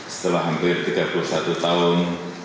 setelah hampir tiga puluh satu tahun